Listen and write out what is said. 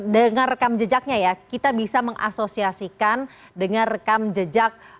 dengan rekam jejaknya ya kita bisa mengasosiasikan dengan rekam jejak